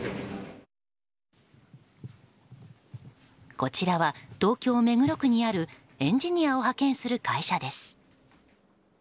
こちらは東京・目黒区にあるエンジニアを派遣する会社です。